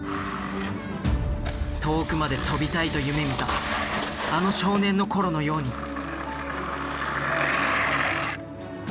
遠くまで飛びたいと夢みたあの少年の頃のように。